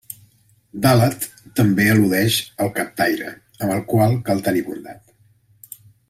Dàlet també al·ludeix al captaire, amb el qual cal tenir bondat.